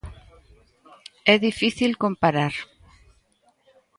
É difícil comparar.